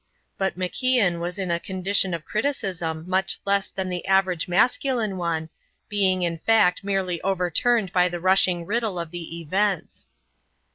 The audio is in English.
But MacIan was in a condition of criticism much less than the average masculine one, being in fact merely overturned by the rushing riddle of the events.